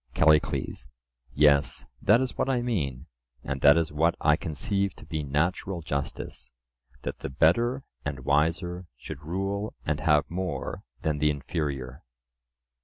CALLICLES: Yes; that is what I mean, and that is what I conceive to be natural justice—that the better and wiser should rule and have more than the inferior.